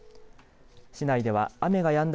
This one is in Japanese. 市内では雨がやんだ